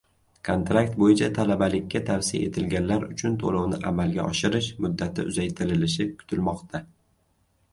Kontrakt bo‘yicha talabalikka tavsiya etilganlar uchun to‘lovni amalga oshirish muddati uzaytirilishi kutilmoqda